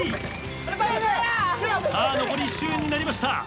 さあ残り１周になりました。